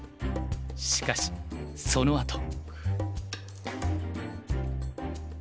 しかしそのあと。